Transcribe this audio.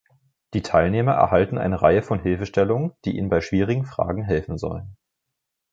Die Teilnehmer erhalten eine Reihe von Hilfestellungen, die ihnen bei schwierigen Fragen helfen sollen.